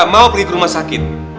papa gak mau pergi ke rumah sakit